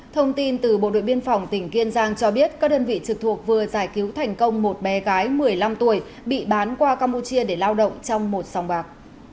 thông tin từ bộ đội biên phòng tỉnh kiên giang cho biết các đơn vị trực thuộc vừa giải cứu thành công một bé gái một mươi năm tuổi bị bán qua campuchia để lao động trong một sòng bạc